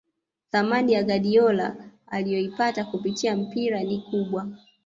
Thamani ya Guardiola aliyoipata kupitia mpira ni kubwa